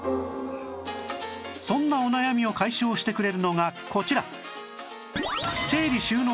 そんなお悩みを解消してくれるのがこちら